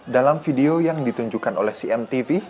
dalam video yang ditunjukkan oleh cmtv